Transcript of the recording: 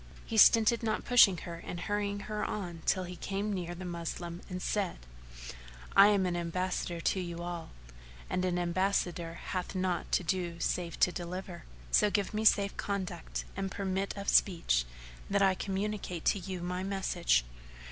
He stinted not pushing her and hurrying her on till he came near the Moslem and said, "I am an ambassador to you all, and an ambassador hath naught to do save to deliver; so give me safe conduct and permit of speech, that I communicate to you my message."